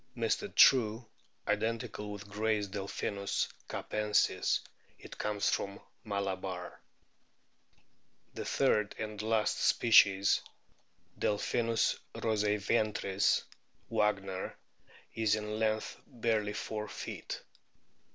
It may be, thinks Mr. True, identical with Gray's Delpkinus capensis. It comes from Malabar. The third and last species, Delphinns roseiventris, Wagner,^ is in length barely four feet.